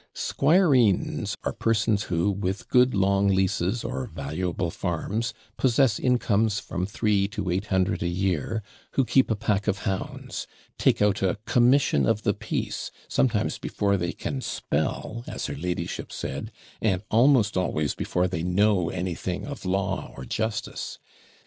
SQUIREENS are persons who, with good long leases, or valuable farms, possess incomes from three to eight hundred a year; who keep a pack of hounds; TAKE OUT a commission of the peace, sometimes before they can spell (as her ladyship said), and almost always before they know anything of law or justice!